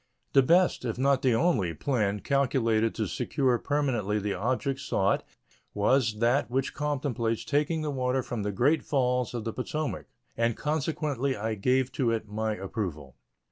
The best, if not the only, plan calculated to secure permanently the object sought was that which contemplates taking the water from the Great Falls of the Potomac, and consequently I gave to it my approval.